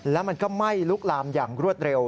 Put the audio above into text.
แล้วมันก็ไหม้ลุกลามอย่างรวดเร็ว